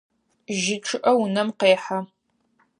Жьы чъыӏэ унэм къехьэ.